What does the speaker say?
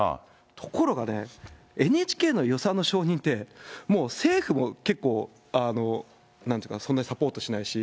ところがね、ＮＨＫの予算の承認って、もう政府も結構、なんて言うかな、そんなにサポートしないし。